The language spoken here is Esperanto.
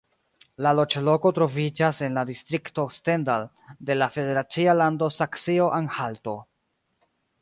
La loĝloko troviĝas en la distrikto Stendal de la federacia lando Saksio-Anhalto.